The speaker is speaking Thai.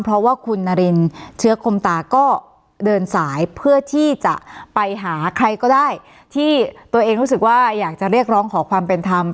เพราะว่าคุณนารินเชื้อคมตาก็เดินสายเพื่อที่จะไปหาใครก็ได้ที่ตัวเองรู้สึกว่าอยากจะเรียกร้องขอความเป็นธรรม